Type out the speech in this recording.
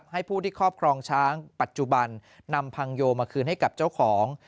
ให้ผู้ที่ครอบครองช้างปัจจุบันนำพังโยมาคืนให้กับเจ้าของ